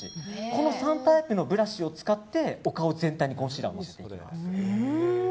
この３タイプのブラシを使ってお顔全体にコンシーラーをのせていきます。